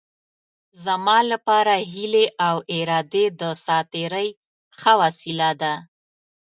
زما لپاره هیلې او ارادې د ساعت تېرۍ ښه وسیله ده.